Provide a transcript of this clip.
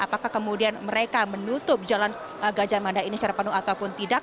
apakah kemudian mereka menutup jalan gajah mada ini secara penuh ataupun tidak